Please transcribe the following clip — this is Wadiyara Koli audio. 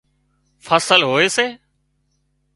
فصل هوئي سي